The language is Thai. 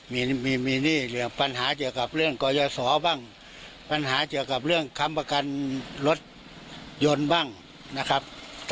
มีหนี้ปัญหาเจอกับเรื่องก่อยสอบ้างปัญหาเจอกับเรื่องคำประกันรถยนต์บ้างนะครับ